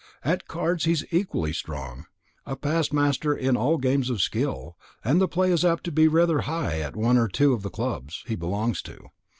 At cards he is equally strong; a past master in all games of skill; and the play is apt to be rather high at one or two of the clubs he belongs to.